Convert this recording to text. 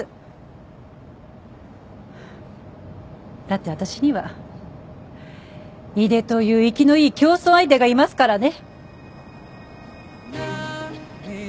だって私には井手という生きのいい競争相手がいますからね。